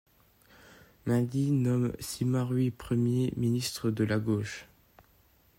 Mindi nomme Sima Rui Premier Ministre de la Gauche.